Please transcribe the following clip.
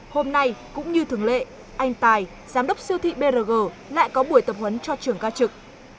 hôm nay cũng như thường lệ anh tài giám đốc siêu thị brg lại có buổi tập huấn cho trưởng ca trực